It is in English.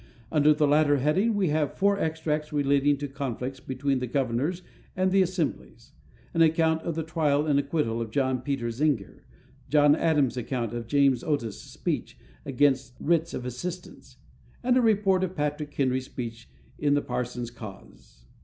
Under the latter heading we have four extracts relating to conflicts between the governors and the assemblies; an account of the trial and acquittal of John Peter Zenger; John Adams' account of James Otis' speech against writs of assistance; and a report of Patrick Henry's speech in the Parson's Cause.